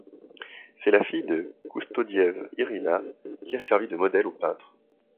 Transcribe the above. C'est la fille de Koustodiev, Irina, qui a servi de modèle au peintre.